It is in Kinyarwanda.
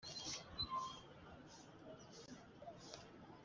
Banyarwanda kandi bugakoreshwa